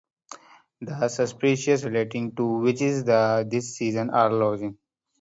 The superstitions relating to witches at this season are legion.